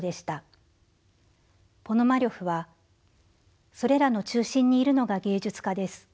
ポノマリョフは「それらの中心にいるのが芸術家です。